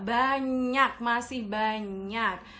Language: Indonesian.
banyak masih banyak